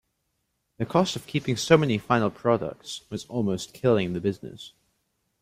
The cost of keeping so many final products was almost killing the business.